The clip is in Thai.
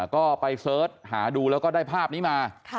ก็ไปเสิร์ชหาดูแล้วก็ได้ภาพนี้มา